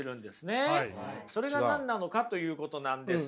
それが何なのかということなんですが。